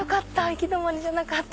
行き止まりじゃなかった。